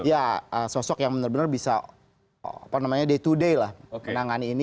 ya sosok yang benar benar bisa day to day lah menangani ini